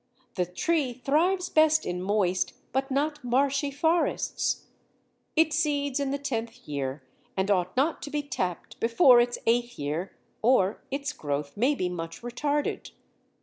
The tree thrives best in moist but not marshy forests. "It seeds in the tenth year, and ought not to be tapped before its eighth year, or its growth may be much retarded.